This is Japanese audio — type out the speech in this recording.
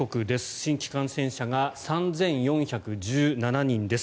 新規感染者が３４１７人です。